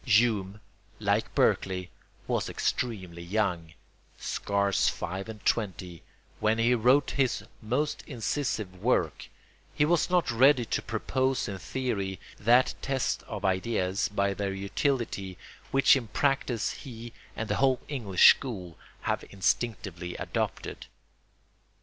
Hume, like Berkeley, was extremely young, scarce five and twenty, when he wrote his most incisive work; he was not ready to propose in theory that test of ideas by their utility which in practice he and the whole English school have instinctively adopted.